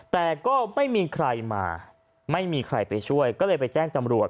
แต่ก็ไม่มีใครมาไม่มีใครไปช่วยก็เลยไปแจ้งจำรวจ